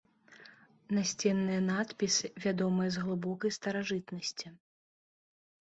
Насценныя надпісы вядомыя з глыбокай старажытнасці.